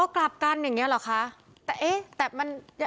อ๋อกลับกันอย่างนี้เหรอคะแต่เอ๊ะแต่มัน